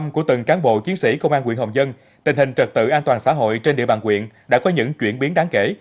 của từng cán bộ chiến sĩ công an huyện hồng dân tình hình trật tự an toàn xã hội trên địa bàn quyện đã có những chuyển biến đáng kể